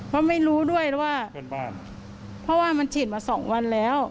เพราะไม่รู้ด้วยว่าเพราะว่ามันฉีดมาสองวันแล้ว